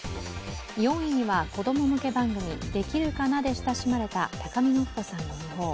４位には、子供向け番組「できるかな」で親しまれた高見のっぽさんの訃報。